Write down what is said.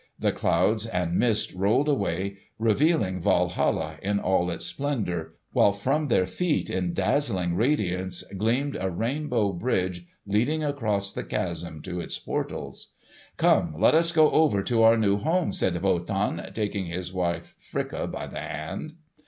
The clouds and mist rolled away, revealing Walhalla in all its splendour; while from their feet, in dazzling radiance, gleamed a rainbow bridge leading across the chasm to its portals. "Come! let us go over to our new home!" said Wotan, taking his wife Fricka by the hand.